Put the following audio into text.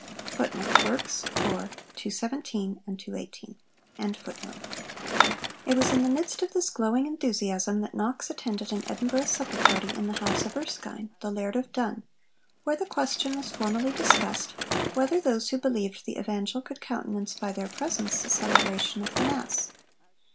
' It was in the midst of this glowing enthusiasm that Knox attended an Edinburgh supper party in the house of Erskine, the Laird of Dun, where the question was formally discussed whether those who believed the Evangel could countenance by their presence the celebration of the Mass?